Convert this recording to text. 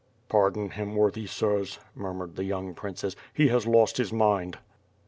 '' "Pardon him, worthy sirs," murmured the young princes, *1ie has lost his mind."